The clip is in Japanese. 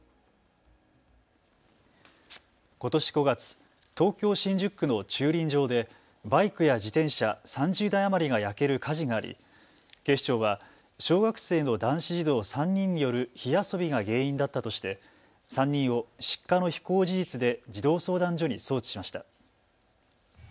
ことし５月、東京新宿区の駐輪場でバイクや自転車３０台余りが焼ける火事があり警視庁は小学生の男子児童３人による火遊びが原因だったとして３人を失火の非行事実で児童相談所に送致しました。